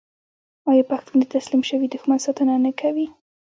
آیا پښتون د تسلیم شوي دښمن ساتنه نه کوي؟